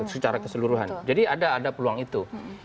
secara keseluruhan jadi ada peluang itu